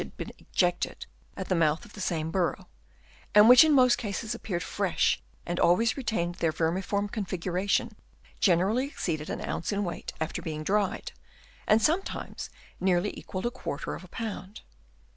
165 been ejected at the mouth of the same burrow, and which in most cases appeared fresh and always retained their vermiform configuration, generally exceeded an ounce in weight after being dried, and sometimes nearly equalled a quarter of a pound.